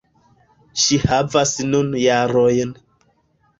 Ŝi havas nun jarojn.